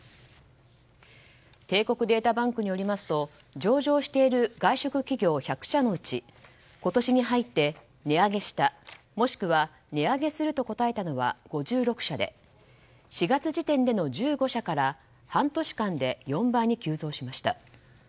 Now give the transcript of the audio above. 帝国データバンクによりますと上場している外食企業１００社のうち今年に入って値上げしたもしくは値上げすると答えたのは５６社で４月時点での１５社から半年間で４倍に急増しました。